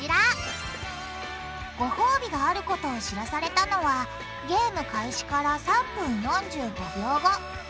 ごほうびがあることを知らされたのはゲーム開始から３分４５秒後。